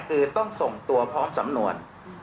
คือต้องส่งตัวพร้อมสำนวน